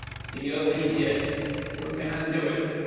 The ill he did, who can undo it?